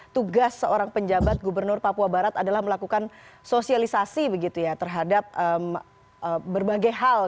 tugas seorang penjabat gubernur papua barat adalah melakukan sosialisasi begitu ya terhadap berbagai hal